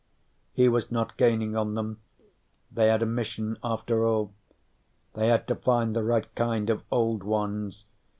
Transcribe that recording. He was not gaining on them. They had a mission, after all. They had to find the right kind of Old Ones.